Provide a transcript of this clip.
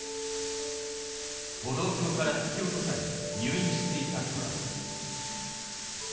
歩道橋から突き落とされ入院していたトラコ根津寅子です。